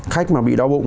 khách mà bị đau bụng